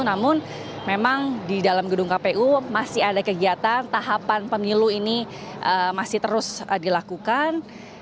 namun memang di dalam gedung kpu masih ada kegiatan tahapan pemilu ini masih terus dilakukan